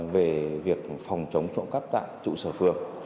về việc phòng chống trộm cắp tại trụ sở phường